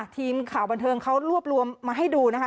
ทีมข่าวบันเทิงเขารวบรวมมาให้ดูนะคะ